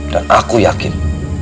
dan aku yakin